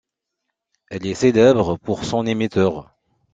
Elle est célèbre pour son émetteur.